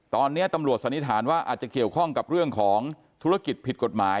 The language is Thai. ตอนนี้ตำรวจสันนิษฐานว่าอาจจะเกี่ยวข้องกับเรื่องของธุรกิจผิดกฎหมาย